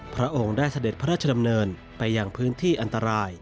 พระองค์ได้เสด็จพระราชดำเนินไปอย่างพื้นที่อันตราย